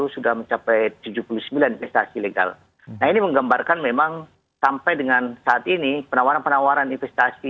sudah mencapai tujuh puluh sembilan investasi legal nah ini menggambarkan memang sampai dengan saat ini penawaran penawaran investasi